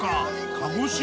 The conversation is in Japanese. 鹿児島？